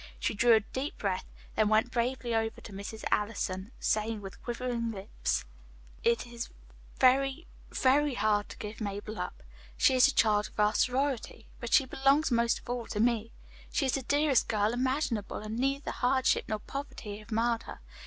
She drew a deep breath, then went bravely over to Mrs. Allison, saying with quivering lips: "It is very, very hard to give Mabel up. She is the child of our sorority, but she belongs most of all to me. She is the dearest girl imaginable, and neither hardship nor poverty have marred her.